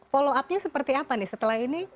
follow up nya seperti apa nih setelah ini